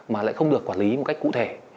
mà lại không được quản lý một cách cụ thể